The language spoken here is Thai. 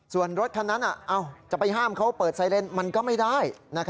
ส่วนรถคันนั้นจะไปห้ามเขาเปิดไซเลนมันก็ไม่ได้